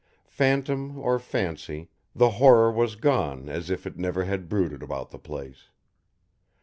Phantom or fancy, the horror was gone as if it never had brooded about the place.